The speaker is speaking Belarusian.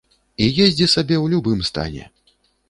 І ездзі сабе ў любым стане.